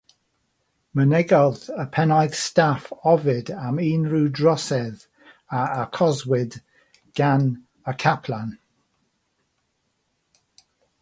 Mynegodd y Pennaeth Staff ofid am unrhyw drosedd a achoswyd gan y caplan.